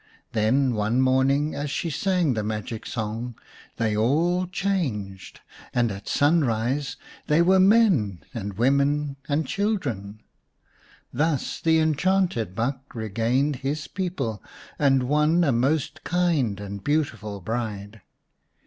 Then one morning as she sang the magic song they all changed, and at sunrise they were men, women, and children. Thus the enchanted buck regained his people, and won a most kind and beautiful bride.